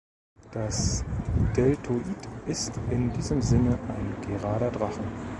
Das Deltoid ist in diesem Sinne ein "gerader Drachen".